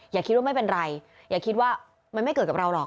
อย่าคิดว่าไม่เป็นไรอย่าคิดว่ามันไม่เกิดกับเราหรอก